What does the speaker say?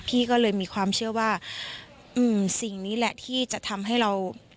พี่ก็เลยมีความเชื่อว่าสิ่งนี้แหละที่จะทำให้เรา